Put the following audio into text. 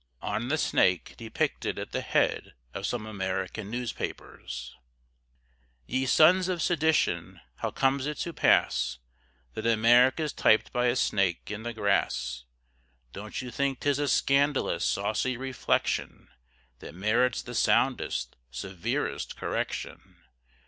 ON THE SNAKE DEPICTED AT THE HEAD OF SOME AMERICAN NEWSPAPERS Ye sons of Sedition, how comes it to pass That America's typ'd by a Snake in the grass? Don't you think 'tis a scandalous, saucy reflection, That merits the soundest, severest correction?